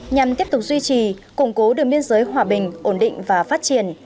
nhằm tiếp tục duy trì củng cố đường biên giới hòa bình ổn định và phát triển